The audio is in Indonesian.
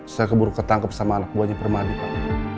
saya keburu ketangkep sama anak buahnya permadi pak